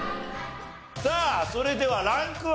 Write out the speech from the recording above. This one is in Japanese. さあそれではランクは？